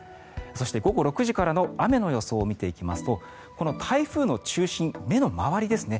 そして、午後６時からの雨の予想を見ていきますと台風の中心目の周りですね